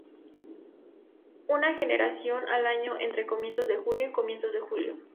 Una generación al año entre comienzos de junio y comienzos de julio.